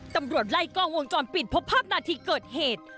ตำรวจไล่กล้องวงจรปิดพบภาพนาทีเกิดเหตุ